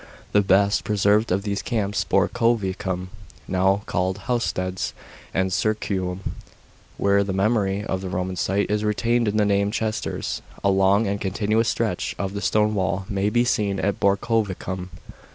The best preserved of these camps are Borcovicium (now called Housesteads) and Cilurimm, where the memory of the Koman site is retained in the name " Chesters." A long and continuous stretch of the stone wall may be seen at Borcovicium.